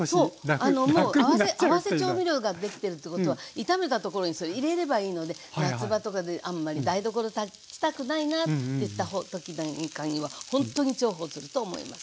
合わせ調味料ができてるってことは炒めたところにそれ入れればいいので夏場とかであんまり台所立ちたくないなって時なんかにはほんとに重宝すると思います。